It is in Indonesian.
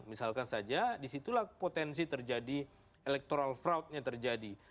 misalkan saja disitulah potensi terjadi electoral fraudnya terjadi